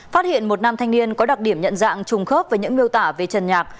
phát hiện một nam thanh niên có đặc điểm nhận dạng trùng khớp với những miêu tả về trần nhạc